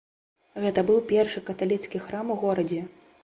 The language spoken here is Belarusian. Гэта быў першы каталіцкі храм у горадзе.